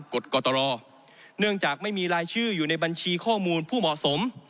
กฎกตรเนื่องจากไม่มีรายชื่ออยู่ในบัญชีข้อมูลผู้เหมาะสม